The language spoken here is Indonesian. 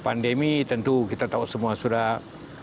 pandemi tentu kita tahu semua sudah